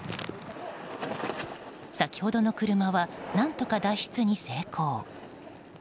先ほどの車は何とか脱出に成功。